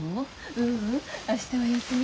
ううん明日は休み。